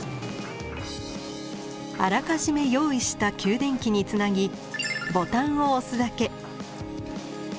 あらかじめ用意した給電機につなぎボタンを押すだけ。